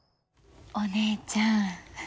お姉ちゃん。